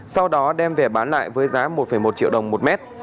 sau đó đem về bán lại với giá một một triệu đồng một mét